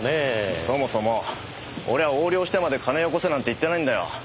そもそも俺横領してまで金よこせなんて言ってないんだよ。